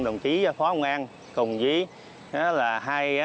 đồng chí phó công an của tỉnh saya